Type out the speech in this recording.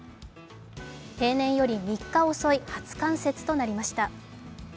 平年より３日遅い、初冠雪となりました。